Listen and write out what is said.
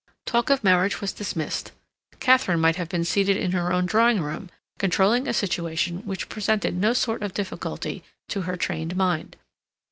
Talk of marriage was dismissed. Katharine might have been seated in her own drawing room, controlling a situation which presented no sort of difficulty to her trained mind.